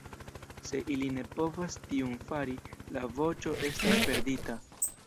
Se ili ne povas tiun fari, la voĉo estas perdita.